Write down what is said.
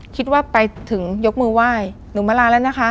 คิดว่าไปถึงยกมือไหว้หนูมาลาแล้วนะคะ